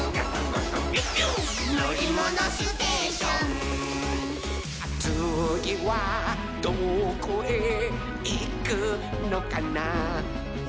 「のりものステーション」「つぎはどこへいくのかなほら」